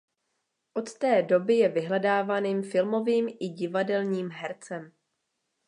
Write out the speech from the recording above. Od té doby je vyhledávaným filmovým i divadelním hercem.